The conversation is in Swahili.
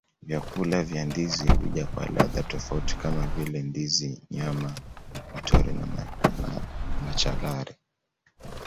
Vyakula vya ndizi huja kwa ladha tofauti kama vile ndizi nyama mtori na machalari